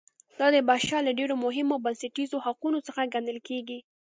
دا د بشر له ډېرو مهمو او بنسټیزو حقونو څخه ګڼل کیږي.